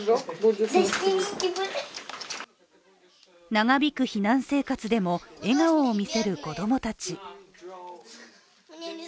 長引く避難生活でも笑顔を見せる子供たち。